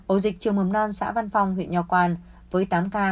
ổ dịch trường mồm non xã văn phong huyện nho quang với tám ca